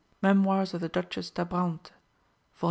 '" ('Memoirs of the Duchesse d'Abrantes, vol.